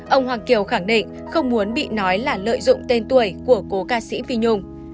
ông hoàng kiều khẳng định không muốn bị nói là lợi dụng tên tuổi của cố ca sĩ phi nhung